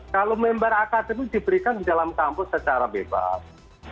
kalau member akademi diberikan di dalam kampus secara bebas